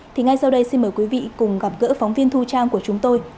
thì ngay sau đây xin mời quý vị cùng gặp gỡ phóng viên thu trang của chúng tôi